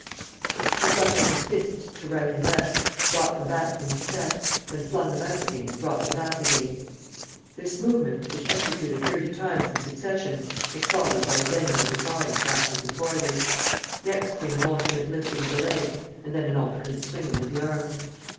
He flung out his fists to right and left, brought them back to his chest, then flung them out again and brought them back again. This movement, which executed thirty times in succession, was followed by a bending of his body backwards and forwards. Next came an alternate lifting of the legs and then an alternate swinging of the arms.